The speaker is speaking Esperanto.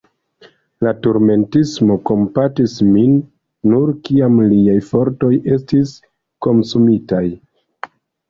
La turmentisto kompatis min, nur kiam liaj fortoj estis komsumitaj.